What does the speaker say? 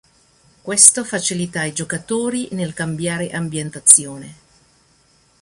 Questo facilita i giocatori nel cambiare ambientazione.